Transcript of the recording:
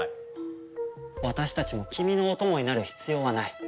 私たちも君のお供になる必要はない。